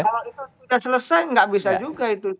kalau itu sudah selesai nggak bisa juga itu